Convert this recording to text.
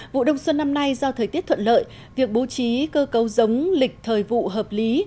vụ đông xuân năm nay do thời tiết thuận lợi việc bố trí cơ cấu giống lịch thời vụ hợp lý